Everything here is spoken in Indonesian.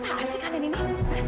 apaan sih kalian ini